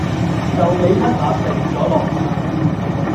就畀匹馬揈咗落馬